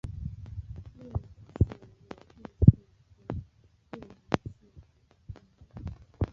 裂隐蟹为玉蟹科裂隐蟹属的动物。